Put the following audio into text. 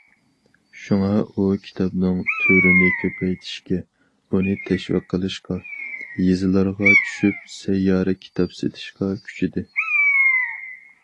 شۇڭا ئۇ كىتابنىڭ تۈرىنى كۆپەيتىشكە، ئۇنى تەشۋىق قىلىشقا، يېزىلارغا چۈشۈپ سەييارە كىتاب سېتىشقا كۈچىدى.